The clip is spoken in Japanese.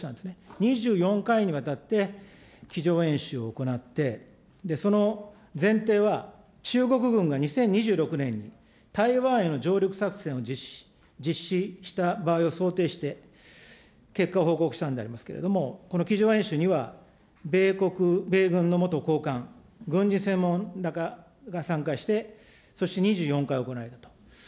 ２４回にわたって机上演習を行って、その前提は、中国軍が２０２６年に台湾への上陸作戦を実施した場合を想定して、結果を報告したんでありますけれども、この机上演習には、米国、米軍の元高官、軍事専門家らが参加して、そして２４回行われたと。